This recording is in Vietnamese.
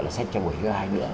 là sách cho buổi thứ hai nữa